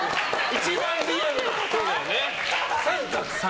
一番リアルな！